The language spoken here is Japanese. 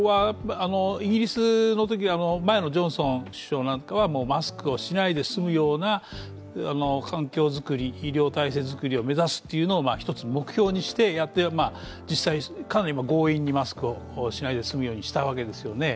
イギリスのとき、前のジョンソン首相なんかはマスクをしないで済むような環境づくり医療体制作りを目指すことを目標にして実際にかなり強引にマスクをしないで済むようにしたわけですよね。